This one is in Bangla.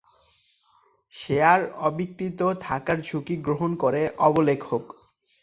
শেয়ার অবিক্রিত থাকার ঝুঁকি গ্রহণ করে অবলেখক।